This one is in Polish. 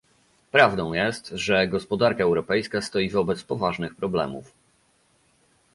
Prawdą jest, że gospodarka europejska stoi wobec poważnych problemów